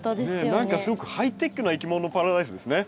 何かすごくハイテクないきものパラダイスですね。